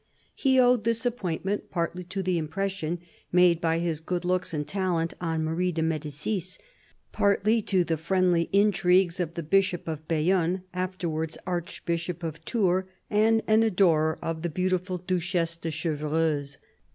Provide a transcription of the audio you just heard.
He owed this appointment partly to the impression made by his good looks and talent on Marie de Medicis, partly to the friendly intrigues of the Bishop of Bayonne — afterwards Archbishop of Tours, and an adorer of the beautiful Duchesse de Chevreuse.